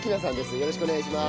よろしくお願いします。